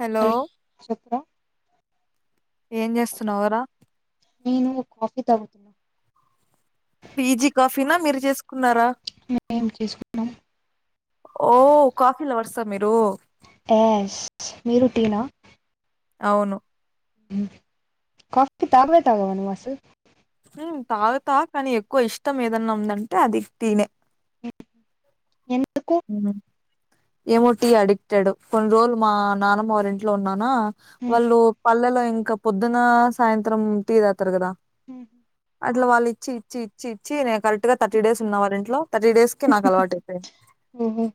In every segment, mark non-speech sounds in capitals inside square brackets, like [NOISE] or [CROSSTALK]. Hello చెప్పరా ఏం చేస్తున్నావురా నేను కాఫీ తాగుతున్నా పీజీ కాఫీనా మీరు చేసుకున్నారా ఏం చేసుకున్నాం ఓ కాఫీ లవర్స్ ఎస్ మీరు టీ నా అవును కాఫీ తాగవే తాగవ నువ్వు అసలు ఉమ్ తాగుతా కానీ ఎక్కువ ఇష్టం ఏదన్నా ఉందంటే అది టీ నే ఉమ్ ఎన్ ఉమ్ ఏమో టీ అడిక్టెడ్ కొన్ని రోజులు మా నానమ్మ వాళ్ల ఇంట్లో ఉన్నానా వాళ్ళు పల్లెల్లో ఇంకా పొద్దున సాయంత్రం టీ తాగుతారు కదా ఉమ్ అట్లా వాల్లు ఇచ్చి ఇచ్చి ఇచ్చి ఇచ్చి నేను కరెక్ట్ గా థర్టీ డేస్ ఉన్న వాళ్ళ ఇంట్లో థర్టీ డేస్ కి నాకు అలవాటు అయిపోయింది ఓహో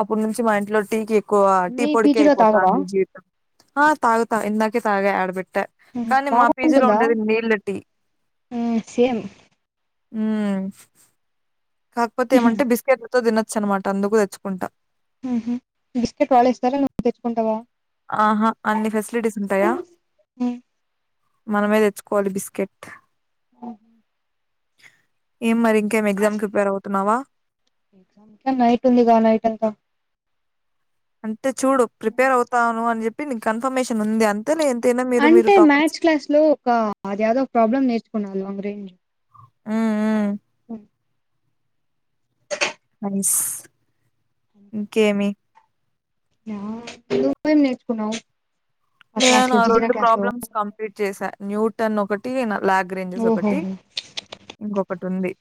అప్పటి నుంచి మా ఇంట్లో టీ కి ఎక్కువ టీ మీ పొడికే పీజీలో తాగవా అయిపోతంది జీవితం ఆ తాగుతా ఇందాకే ఆడ పె ట్ట కానీ మా పిజి లో బాగుంటుందా ఉండేది నీళ్ళ టీ సేమ్ ఉమ్ కాకపోతే ఏమంటే బిస్కెట్లతో తినొచ్చు అనమాట అందుకు తెచ్చుకుంటా ఉహుం బిస్కెట్ వాళ్లే ఇస్తారా నువ్వు తెచ్చుకుంటావా ఆహా అన్ని ఫెసిలిటీస్ ఉంటాయా మనమే తెచ్చుకోవాలి బిస్కెట్ ఉహూ ఏం మరి ఇంకేం ఎగ్జామ్కి ప్రిపేర్ అవుతున్నావా ఎగ్జామ్ క నైట్ ఉందిగా నైట్ అంత అంటే చూడు ప్రిపేర్ అవుతాను అని చెప్పి నీ కన్ఫర్మేషన్ ఉంది అం అంటే మ్యాథ్స్ క్లాస్ లో ఒక అది ఏదో ఒక ప్రాబ్లం నేర్చుకున్నా ఒక లాగ్రేంజ్ హ్మ్. హ్మ్. ఉమ్ స్ ఇంకేమి యా నువ్వు ఏమి నేర్చుకున్నావు ఆ క్లాస్ నేనా లో జిగిన రెండు క్లాస్ లో ప్రాబ్లమ్స్ కంప్లీట్ చేసా న్యూటన్ ఒకటి నా లాగ్రేంజెస్ ఓహో ఒకటి ఇంకొకటి ఉంది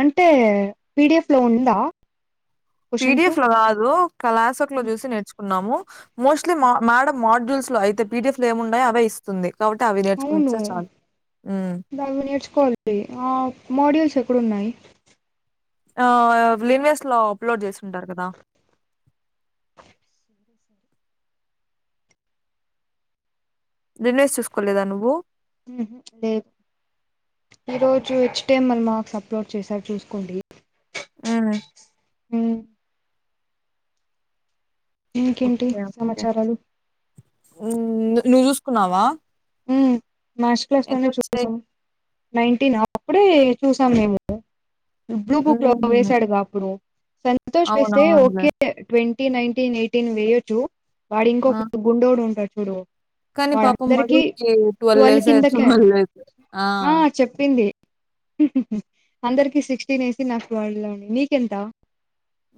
అంటే పీడిఎఫ్ లో ఉందా క్వశ్చన్స్ పిడిఎఫ్ లో కాదు క్లాస వర్క్ లో చూసి నేర్చుకున్నాము మోస్ట్లీ మేడం మాడ్యూల్స్ లో అయితే పిడిఎఫ్ లో ఏముండాయో అవే ఇస్తుంది కాబట్టి అవి అవును నేర్చుకుంటే చాలు ఉమ్ దానివి నేర్చుకోవాలి ఆ మాడ్యూల్స్ ఎక్కడ ఉన్నాయి ఆ లిన్వెస్ లో అప్లోడ్ చేసింటారు కదా లిన్వేస్ చూసుకోలేదా నువ్వు ఉహూ లేదు ఈ రోజు H T M L marks upload చేశారు చూసుకోండి ఉహూ ఉమ్ ఇంకేంటి ఓకే ఓకే సమాచారాలు ఉమ్ ను నువ్వు చూసుకున్నావా ఉమ్ మ్యాథ్స్ క్లాస్ లోనే ఎంతొచ్చాయి చేసేసాం నైన్టీన్ అప్పుడే చూసాం మేము బ్లూ బుక్ లో ఉమ్ వేసాడుగా అప్పుడు సంతోష్ వేస్తే అవునవునులే ఓకే ట్వంటీ నైన్టీన్ ఎయిటీన్ వేయొచ్చు వాడు ఆ, ఇంకొకటి గుండోడు ఉంటాడు చూడు కానీ పాపం మధు వాడందరికి కి ట్వెల్వ్ వేశారు ట్వెల్వ్ వేశారు ఆ అందరికి సిక్స్టీన్ వేసి నాకు వాళ్ళలో నీకెంత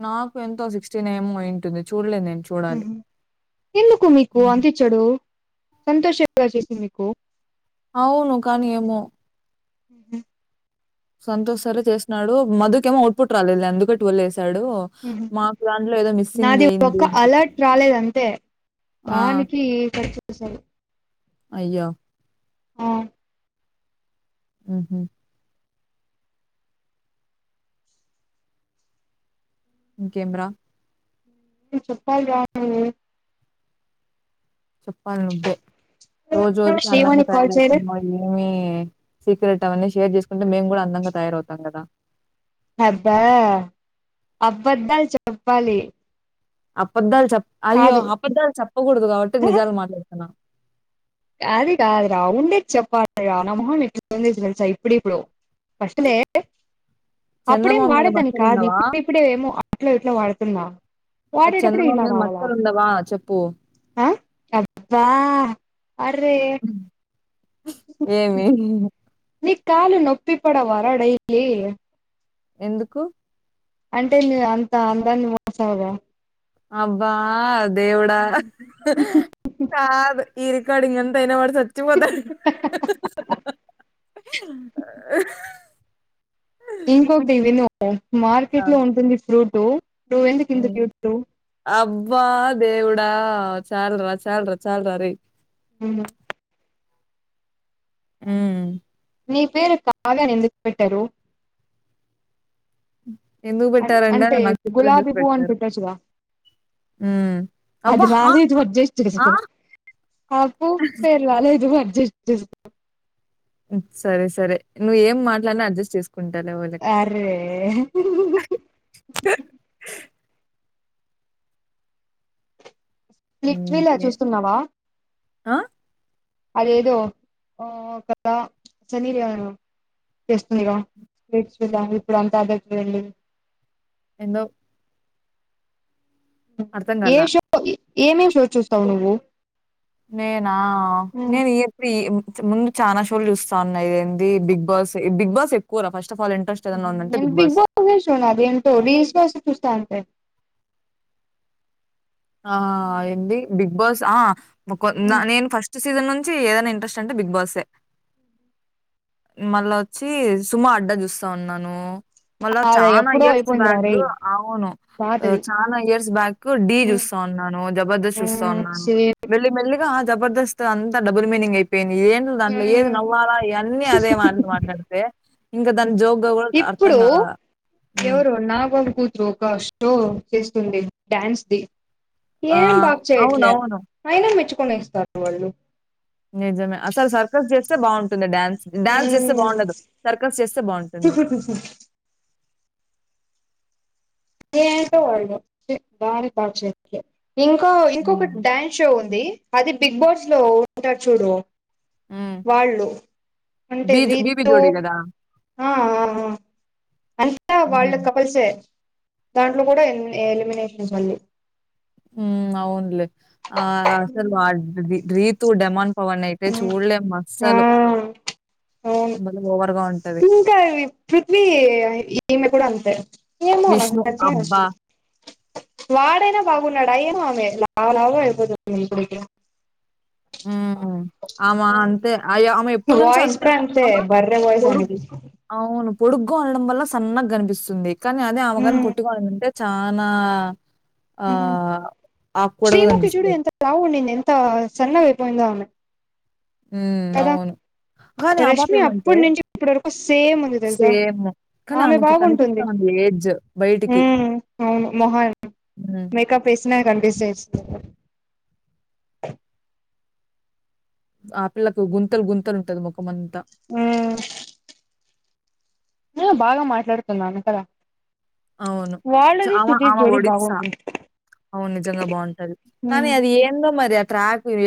నాకు ఎంతో సిక్స్టీన్ ఏమో అయింటుంది చూడలేదు నేన్ ఎందుకు మీకు హ్మ్. అంత ఇచ్చాడు సంతోషంగ చేసింది మీకు అవును కానీ ఏమో హ సంతోష్ సారే చేసినడు మధుకేమో ఔట్పుట్ రాలేదులే అందుకే ఇవలేదు. డు హుహు. మాకు దాంట్లో ఏదో మిస్సింగ్ నాది ఒక్క అయింది. అలర్ట్ రాలేదు అంతే ఆ! దానికి కట్ చేసారు అయ్యో ఆ ఉహు ఇంకెంరా నువ్ చెప్పాలుగా పిన్ని చెప్పాలి నువ్వే రోజు రోజుకి శ్రీవాణి అందంగా కాల్ చేయలే తయారవుతున్నావు ఏమి సీక్రెట్ అవన్నీ షేర్ చేసుకుంటే మేము కూడా అందంగా తయారవుతాం కదా. అబ్బా అబ్బద్దాలు చెప్పాలి అపద్దాలు చెప్ప అయ్యో కాదు అబద్దాలు చెప్పకూడదు కాబట్టి నిజాలు మాట్లాడుతున్నా అది కాదు రా ఉండేది చెప్పాలిగా నా మొహం చెంది సా ఇప్పుడు ఇప్పుడు ఫస్ట్ లే అప్పుడేం చందమామ మీద వాడేదాని కాదు. మచ్చలుండవా? ఇప్పుడ ఇప్పుడే ఏమో అట్లో ఇట్లో వాడుతున్నా. ఆ వాడేటపుడు చందమామ ఇలా మీద రావలా మచ్చలుండవా చెప్పు. ఆ అబ్బా అర్రే ఏమి నీ కాలు నొప్పి పడవ రా డైలీ ఎందుకు అంటే ను అంత అందాన్ని మోసావు అబ్బా దేవుడా కాదు ఈరికార్డింగ్ ఎంత అయినా పడతాద్ చచ్చిపోతాడు ఇంకొకటి విను ఆ! మార్కెట్ లో ఉంటుంది ఫ్రూట్ నువ్వెందుకు ఇంత క్యూట్ అబ్బా దేవుడు చాల్ రా చాల్రా చాల్రా రే ఉ ఉమ్ నీ పేరు కావ్య అని ఎందుకు పెట్టారు ఎందుకు పెట్టారంటే అంటే నక్షత్రం జూసి గులాబీ పువ్వు అని పెట్టారు. పెట్టొచ్చుగా హ్మ్. అది అబ్బా! ఆ! రాధు ఆ! [UNINTELLIGIBLE] నాకు పేర్వలేదు అడ్జస్ట్ చే సర సరే నువ్ ఏం మాట్లాడిన అడ్జస్ట్ చేసుకో కుండల వాలకు అరే హ్మ్. లిక్విలా ఓకే. చూస్తున్నావా ఆ అదేదో ఆ కదా చేరిగారు తేస్తుందిగా పెట్ల్స్ వేస్టుగా ఇప్పుడు అంతా అర్జెంట్ గా వెల్లి ఎంనో అర్థం కాలా ఏమేమి చో చూస్తావు నువ్వు నేనా నేనుయంపిమ్ ముందు చాలా షోలు చూస్తా ఉన్నాయి ఏంది బిగ్ బాస్ బిగ్ బాస్ ఎక్కువ రా ఫస్ట్ ఆఫ్ ఆల్ ఇంట్రెస్ట్ ఏదన్నా ఉందంటే నెన్ బిగ్ బాస్ షో ను అదెంటొ రీల్స్ కోసం చూస్తాంటె ఆ ఎంది బిగ్ బాస్ ఆ నేను ఫస్ట్ సీజన్ నుంచి ఏదైనా ఇంట్రెస్ట్ అంటే బిగ్ బాస్ ఎ మళ్ళా వచ్చి సుమా అడ్డా చూస్తా ఉన్నాను మళ్ళ అదే చానా ఎప్పుడో ఇయర్స్ అయిపోయిందిరా బ్యాగ్ రేయ్ అవును పాతది చాలా ఇయర్స్ బ్యాక్ డీ చుస్ ఉన్నాను జబర్దస్త్ చూస్తా ఉన్నాను మెల్లి మెల్లి గా జబర్దస్త్ అంతా డబుల్ మీనింగ్ అయిపో ఏం దాంట్లో ఏది నవ్వాలా అన్నీ అదే మా మాట్లాడితే ఇంక దాని జోగ్ ఇప్పుడూ ఎవరు నాగబాబు కూతురు ఒక షో చేస్తుంది డ్యాన్స్ ఢీ ఆ! ఏం బాగ చేయట్ల అవునవును. అయినా మెచ్చుకునేస్తారు వాళ్ళు నిజమే అసలు సర్కస్ చేస్తే బాగవుంటుంది డ్యాన్స్ డ్యాన్స్ చేస్తే బావుండదు సర్కస్ చేస్తే బావుంటుంది ఏంటో వాళ్ళు [UNINTELLIGIBLE] ఇంకొ ఇంకొక హ్మ్. డ్యాన్స్ షో ఉంది అది బిగ్ బాస్ లో ఉంటరు చూడు హ్మ్. వాళ్ళు అంటే 'బీ' 'బీబీ' రీతు జోడి గదా! ఆఆ ఆ అంతా వాళ్ళు హ్మ్. కపుల్సే దాంట్లో కూడా ఎ ఎలిమినేషన్స్ మళ్ళీ ఉ అవున్లే ఆ... అసలు వళ్ రీతు డెమాన్ వాణైతే చూడలేదు ఆ అస్సలు అవును భలే ఓవర్‌గా ఉంటది. ఇంకా పృథ్వీ ఈమె కూడా అంతే ఏమో నాకు 'విష్ణు' పచ్చిగ అబ్బా! నచ్చదు వాడైయినా బాగున్నాడా ఏమో ఆమె లావు లావు గా అయిపోతుంది ఇపుడు ఇపుడు ఆంవ అంతే అయ ఆమె ఎప్పుడు నుంచో వాయిస్ అంతే కూడా అమా బర్రె వాయిస్ కొడుకు ఆమెది అవును పొడుగ్గా ఉండాడం వల్ల సన్నగా కనిపిస్తుంది కానీ అదే ఆమెగాని పొట్టి గా ఉండుంటే చానా ఆహ్, ఆక్కూరగా శ్రీముఖి చుడు కనిపిస్తది. ఎంత లావు వుండిందొ ను ఆ సన్నగా అయిపోయిందో ఆమె మ్... కదా అవును కానీ ఆ పాప రష్మి ఏమంటే అప్పటి నుంచి ఇప్పడు వరకు సేమ్ ఉంది తెలుసా సేమ్. కానీ ఆమె ఆమెకి కనిపిస్తా బాగుంటుంది ఉంది ఏజ్ బయటికి. ఉమ్.. అవును మోహన్ హ్మ్. మేకప్ వేసిన కనిపి సెస్ ఆ పిల్లకు గుంతలు గుంతలు ఉంటది ముఖంఅంతా నేను బాగా మాట్లాడుతున్నాను కదా అవును వాళ్ళది ఆమె సుదీప్ ఆంవ జోడి ఒడిస్సా బాగుంటుంది అవును నిజంగా బాగుంటది కానీ ఉమ్ అది ఏందో మరి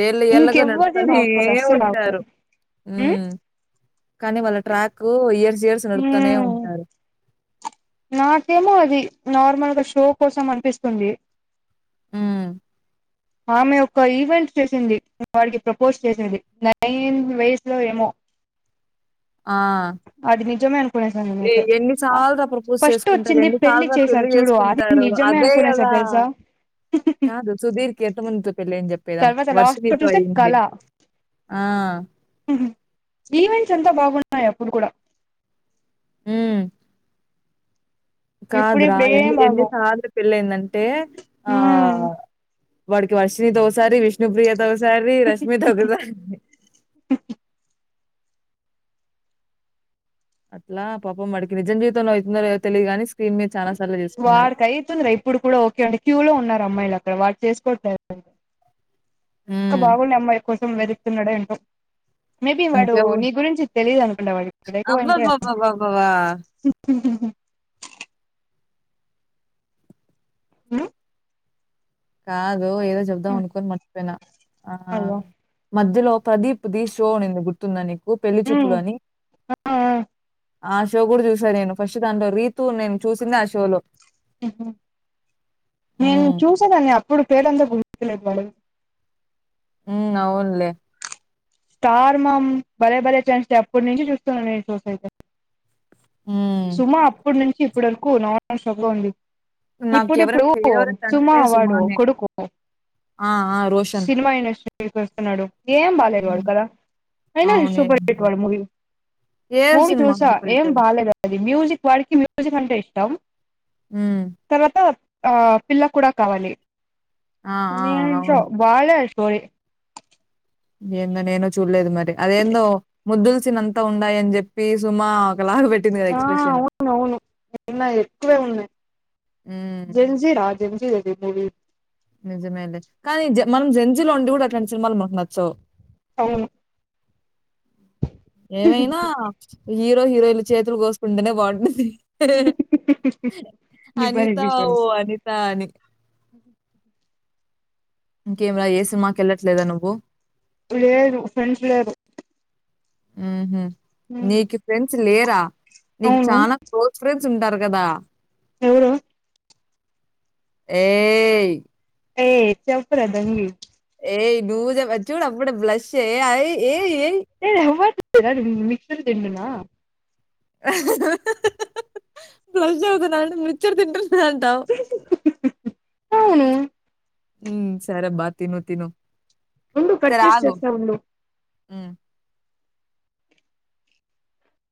ఏళ్ళ ఏళ్ళగా ఇంకెవ్వరిది నడుపుతూనే బాగోదు అస్సలు బాగోదు ఉంటారు ఉమ్ మ్ కానీ వాళ్ళ ట్రాక్ ఇయర్స్ ఇయర్స్ నడుపుతూనే ఉమ్ ఉంటారు నాకేమో అది నార్మల్గా షో కోసం అనిపిస్తుంది ఉ ఆమె ఒక ఈవెంట్ చేసింది వాడికి ప్రపోజ్ చే సింది నేను [UNINTELLIGIBLE] ఆ అది నిజమే అనుకునేసాను నేనైతే ఏయ్ ఎన్ని సార్లు ర ప్రపోజ్ ఫస్ట్ చేసుకుంటారు వచ్చింది ఎన్ని సార్లు రా చేశారు పెళ్లి చూడు అది చేసుకుంటారు నిజమే అదే అనుకునేసా కదా తెలుసా కాదు సుదీర్ గేట్ ముందు ఏం చెప్పెదాం వరసమీతో అయింది ఆ! మ్ హుమ్ ఈవెంట్స్ అంతా బాగున్నాయి అప్పుడు కూడా మ్.. ఇప్పుడు కాదురా ఇప్పుడు ఏం ఎన్ని ఎన్ని బాగోవు సార్లు పెళ్లి అయిందంటే ఆ... హ్మ్ వాడకి వర్షిని తో ఒకసారి విష్ణు ప్రియతో ఒకసారి అర్రీ రష్మితో ఒకసారి అయీంది అట్లా పాపం వాడికి నిజం జీవితంలో అవుతుందో లేదో ‍తెలియదుగాని స్క్రీన్ మీద చాలా సార్లు చేసుకున్నాడు. వాడికి అయితుందిలే ఇప్పుడు కూడా ఓకే అంటే క్యూ లో ఉన్నారు అమ్మాయిలు అక్కడ వాడ్ చేసుకోట్లేదు కదా. ఇంకా హ్మ్. బాగుండే అమ్మాయి కోసం వెదుకుతున్నడో ఏంటో. మేబి వాడు ఇంకెవ్వ నీ గురించి తెలీదు అనుకుంటా వాడు ఎక్కువ అంటే అబ్బబ్బబ్బబ్బబ్బా! హ అ కాదు ఏదో చెబ్దం అనుకొని మర్చిపోయినా ఆ హ అయ్యో మధ్యలో ప్రదీప్ ది షో అనేది గుర్తుంద నీకు పెళ్లి ఉమ్, చూపులు అని ఆ, ఆ, ఆ షో కూడా చూశాను నేను ఫస్ట్ దాంట్లో రీతుని నేను చూసింది ఆ షో లో. ఉ హు నేన్ హ్మ్. చూసేదాన్ని అప్ ఇప్పుడు పేడ అంతా పహించలేదు [UNINTELLIGIBLE] వాడు ఉ అవునులే స్టార్ మామ్ భలే భలే ఛాన్స్ ఎప్పటి నుంచి చూస్తున్నాను నేను షోస్ అయితే. హ్మ్. సుమ అప్పడు నుంచి ఇప్పటి వరకు నాన్ స్టాప్ గా ఉంది. ఇప్పుడు నాకెవరైనా ఇప్పుడు ఫేవరెట్ సుమా అంటే వాడు సుమానే. కొడుకు ఆ ఆ రోషన్ తీసేస్తూన్నాడు ఏం బాగాలేడు వాడు హ్మ్. కదా, అయినా అవును. సూపర్ హిట్ వాడు మూవీ ఏ మూవీ సినిమా చూసా ఏం ఫేవరెట్? బాలేదు అద్ మ్యూజిక్ వాడికి మ్యూజిక్ అంటే ఇష్టం హ్మ్. తర్వాత ఆ పిల్ల కూడా కావాలి ఆ! ఆ! దేంట్లో అవును. వాళ్లే కోయ్ ఏందో నేను చూడలేదు మరి అదేందో ముద్దులసినంత ఉండయని చెప్పి సుమా అక్ ఒకలాగ పెట్టింది కదా ఎక్స్ప్రెషను ఉన్నాయ్ ఎక్కువే ఉన్నాయ్ హ్మ్. జెన్ జీరా జెన్ జీది మూవి. నిజమే లే కానీ మనం జెన్ జిలో ఉండి కూడా అట్లాంటి సినిమాలు మనకు నచ్చవ్. అవును ఏమైనా హీరో హీరోయిన్లు చేతులు కోసుకుంటేనే బాగుంటుంది. నీ అనిత పేరేంటి ఓ ఫ్రెండ్స్ అనిత అని ఇంకేం రా ఏ సినిమాకి యెళ్లట్లేదా నువ్వు లేరదు ఫ్రెండ్సు లేరు ఉ హు నీకు ఫ్రెండ్స్ లేరా నీకు అవును చాలా క్లోజ్ ఫ్రెండ్స్ డ్స్ ఉంటారు కదా ఎవరు యే యే చెపరా దంగి యే నుజ చూడు అప్పుడే బ్లష్ యే I A A hey నవ్వట్లేదు mixer తింటున్న ఫ్రష్ అవుతున్నంట మిక్సర్ తింటు అంటవ్ అవును ఉ సరే బాగా తిను తిను నుండు కట్ చేసి చేప్తా ఉండు ఉ